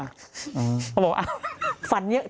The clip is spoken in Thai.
เขาบอกเอาว่า